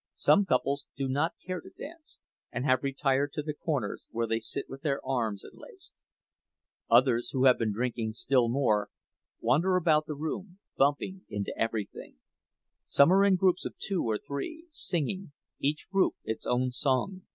Some couples do not care to dance, and have retired to the corners, where they sit with their arms enlaced. Others, who have been drinking still more, wander about the room, bumping into everything; some are in groups of two or three, singing, each group its own song.